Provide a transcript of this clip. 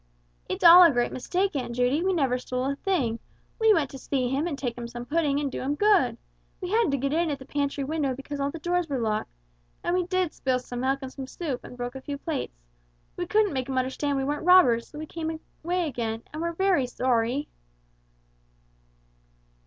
"It's all a great mistake, Aunt Judy, we never stole a thing; we went to see him and take him some pudding and do him good. We had to get in at the pantry window because the doors were all locked, and we did spill some milk and some soup, and broke a few plates. We couldn't make him understand we weren't robbers, so we came away again and we're very sorry."